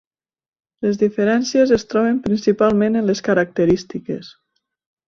Les diferències es troben principalment en les característiques.